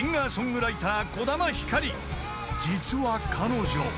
［実は彼女］